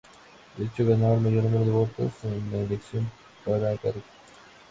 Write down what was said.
De hecho, ganó el mayor número de votos en la elección para el cargo.